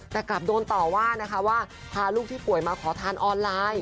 แต่กลับโดนต่อว่านะคะว่าพาลูกที่ป่วยมาขอทานออนไลน์